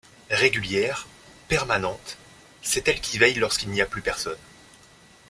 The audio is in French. Régulière, permanente, c’est elle qui veille lorsqu’il n’y a plus personne.